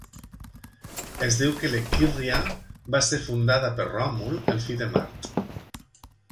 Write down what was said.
Es diu que l'Equirria va ser fundada per Ròmul, el fill de Mart.